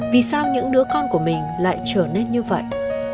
vì sao những đứa con của mình lại trở nên như vậy